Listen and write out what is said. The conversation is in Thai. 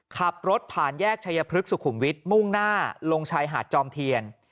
ขับรถผ่านแยกชายพลึกสุขุมวิทย์มุ่งหน้าลงชายหาดจอมเทียน